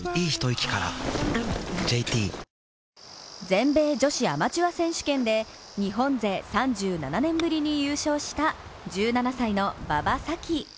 全米女子アマチュア選手権で日本勢３７年ぶりに優勝した１７歳の馬場咲希。